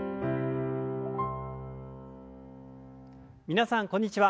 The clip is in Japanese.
皆さんこんにちは。